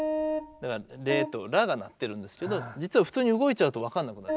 だからレとラが鳴ってるんですけど実は普通に動いちゃうと分かんなくなる。